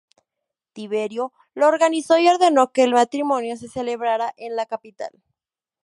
Tiberio lo organizó y ordenó que el matrimonio se celebrara en la capital.